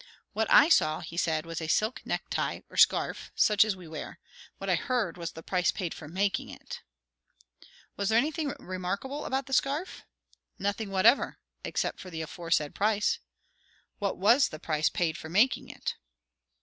"What I saw," he said, "was a silk necktie or scarf such as we wear. What I heard, was the price paid for making it." "Was there anything remarkable about the scarf?" "Nothing whatever; except the aforesaid price." "What was the price paid for making it?"